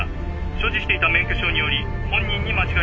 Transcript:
所持していた免許証により本人に間違いないとのこと。